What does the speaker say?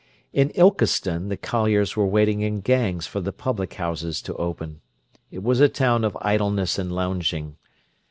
In Ilkeston the colliers were waiting in gangs for the public houses to open. It was a town of idleness and lounging.